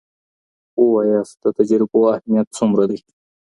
ووایاست، د تجربو اهمیت څومره دی؟